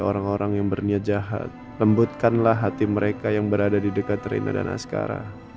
orang orang yang berniat jahat lembutkanlah hati mereka yang berada di dekat rina dan askara